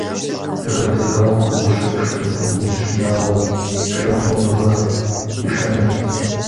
Егъэлеяуэ куэдыщэ пшхымэ, уз шынагъуэр — пшэр хъуныгъэр — къишэнущ.